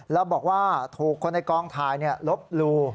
แล้วบอกว่าถูกคนในกองถ่ายลบลู